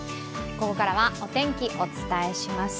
ここからはお天気をお伝えします。